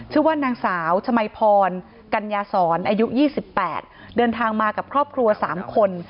ชื่อว่านางสาวชมัยพรกัญญาศรอายุ๒๘เดินทางมากับครอบครัว๓คน